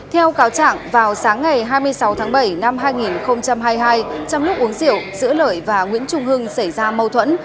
theo cáo trạng vào sáng ngày hai mươi sáu tháng bảy năm hai nghìn hai mươi hai trong lúc uống rượu giữa lợi và nguyễn trung hưng xảy ra mâu thuẫn